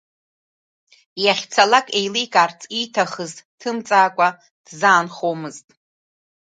Иахьцалак, еиликаарц ииҭахыз ҭымҵаакәа, дзаанхомызт.